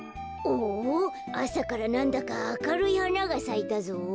あさからなんだかあかるいはながさいたぞ。